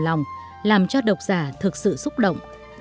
lòng làm cho đọc giả thực sự xúc động